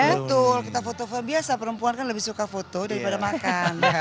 betul kita foto foto biasa perempuan kan lebih suka foto daripada makan